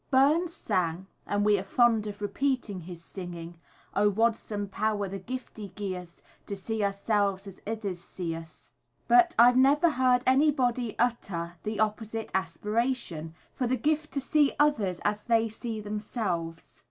Burns sang, and we are fond of repeating his singing: Oh! wad some power the giftie gie us, To see oursels as ithers see us; but I never heard anybody utter the opposite aspiration, for the gift to see others as they see themselves.